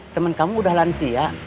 teman kamu udah lansia